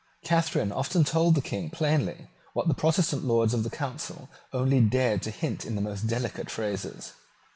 Catharine often told the King plainly what the Protestant Lords of the Council only dared to hint in the most delicate phrases.